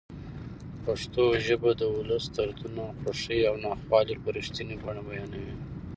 پښتو ژبه د ولس دردونه، خوښۍ او ناخوالې په رښتینې بڼه بیانوي.